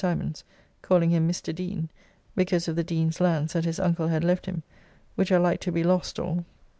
Symons, calling him Mr. Dean, because of the Dean's lands that his uncle had left him, which are like to be lost all.